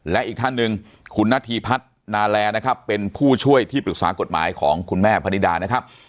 และอีกท่านหนึ่งคุณนาธีพัฒนาแลนะครับเป็นผู้ช่วยที่ปรึกษากฎหมายของคุณแม่พนิดานะครับ